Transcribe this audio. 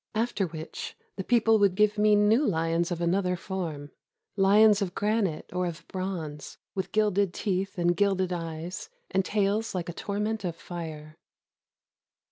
After which the people would give me new lions of another form, — lions of granite or of bronze, with gilded teeth and gilded eyes, and tails like a tor ment of fire.